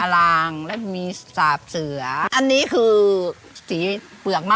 อลางและมีสาบเสือ